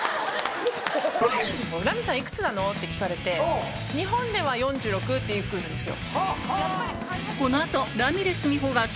「ラミちゃんいくつなの？」って聞かれて「日本では４６歳」って来るんですよ。